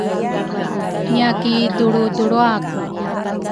ngiakidulrudulruaku.